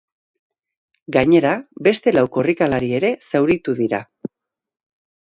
Gainera, beste lau korrikalari ere zauritu dira.